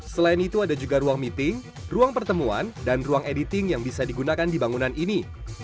selain itu ada juga ruang meeting ruang pertemuan dan ruang editing yang bisa digunakan di bangunan ini